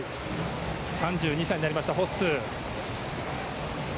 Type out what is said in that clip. ３２歳になりましたホッスー。